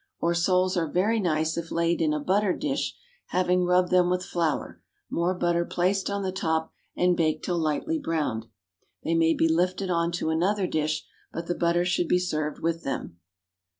Or soles are very nice if laid in a buttered dish, having rubbed them with flour, more butter placed on the top, and baked till lightly browned. They may be lifted on to another dish, but the butter should be served with them.